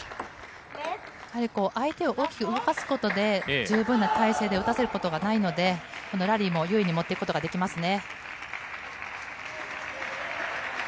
やはり相手を大きく動かすことで、十分な体勢で打たせることがないので、ラリーも優位に持っていくことができますね。